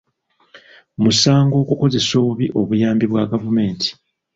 Musango okukozesa obubi obuyambi bwa gavumenti.